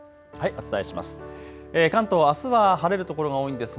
お伝えします。